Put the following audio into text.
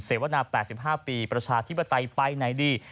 เศรษฐวรรณา๘๕ปีประชาธิปไตยไปในดี